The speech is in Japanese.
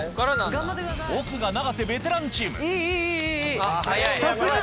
奥が永瀬・ベテランチーム。